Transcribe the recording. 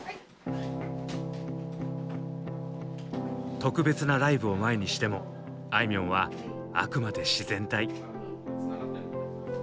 特別なライブを前にしてもあいみょんはあくまで自然体。